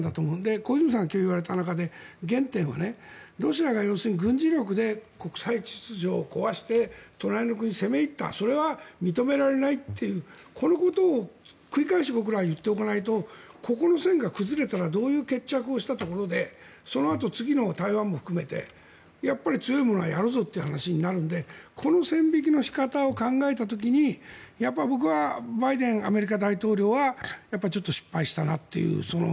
小泉さんが今日言われた中で原点はロシアが要するに軍事力で国際秩序を壊して隣の国に攻め入ったそれは認められないというこのことを繰り返し僕らは言っておかないとここの線が崩れたらどういう決着をしたところでそのあと次の台湾も含めてやっぱり、強いものはやるぞという話になるのでこの線引きの仕方を考えた時にやっぱり僕はバイデンアメリカ大統領はちょっと失敗したなという。